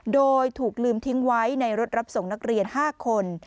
โดยถูกลืมทิ้งไว้ในรถรับส่งนักเรียน๕คน